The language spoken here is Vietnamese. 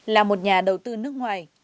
là một nhà đầu tư nước ngoài